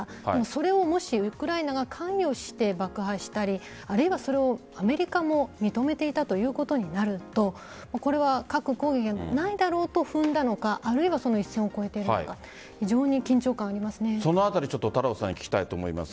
それをもしウクライナが関与して爆破したりあるいはそれをアメリカも認めていたということになるとこれは核攻撃がないだろうと踏んだのかあるいはその一線を越えているのかそのあたり太郎さんに聞きたいと思います。